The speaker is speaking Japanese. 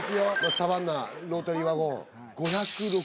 サバンナ・ロータリーワゴン。